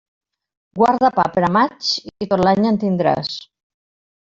Guarda pa per a maig i tot l'any en tindràs.